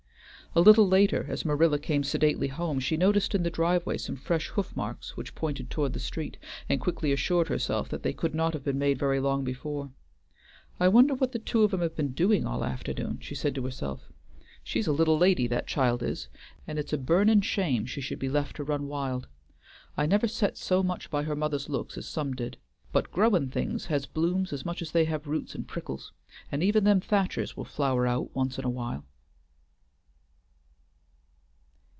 A little later, as Marilla came sedately home, she noticed in the driveway some fresh hoofmarks which pointed toward the street, and quickly assured herself that they could not have been made very long before. "I wonder what the two of 'em have been doing all the afternoon?" she said to herself. "She's a little lady, that child is; and it's a burnin' shame she should be left to run wild. I never set so much by her mother's looks as some did, but growin' things has blooms as much as they have roots and prickles and even them Thachers will flower out once in a while."